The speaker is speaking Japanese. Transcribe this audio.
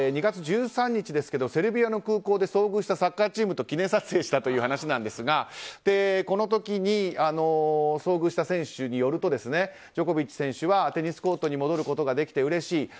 ２月１３日、セルビアの空港で遭遇したサッカーチームと記念撮影したという話ですがこの時に遭遇した選手によるとジョコビッチ選手はテニスコートに戻ることができてうれしい。